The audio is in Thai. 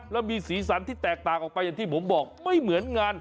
แล้วมีสีสันที่แตกต่างออกไปอย่างที่ผมบอกไม่เหมือนงาน